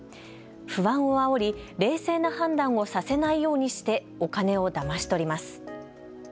不安をあおり冷静な判断をさせないようにしてお金をだまし取ります。